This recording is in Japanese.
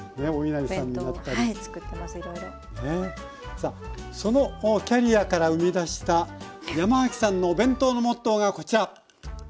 さあそのキャリアから生み出した山脇さんのお弁当のモットーがこちら。